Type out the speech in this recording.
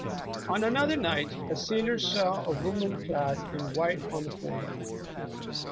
On another night a sailor saw a woman clad in white on the fore deck.